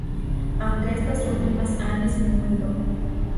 Aunque estas últimas han disminuido.